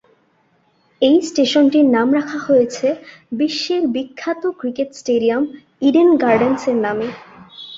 এই স্টেশনটির নাম রাখা হয়েছে বিশ্বের বিখ্যাত ক্রিকেট স্টেডিয়াম ইডেন গার্ডেন্স-এর নামে।